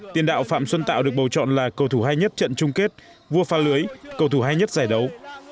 tiền đạo phạm xuân tạo được bầu chọn là cầu thủ hay nhất trận chung kết vua pha lưới cầu thủ hay nhất giải đấu